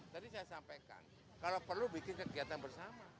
tadi saya sampaikan kalau perlu bikin kegiatan bersama